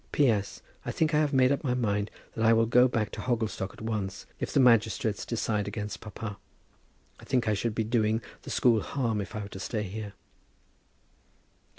P.S. I think I have made up my mind that I will go back to Hogglestock at once if the magistrates decide against papa. I think I should be doing the school harm if I were to stay here.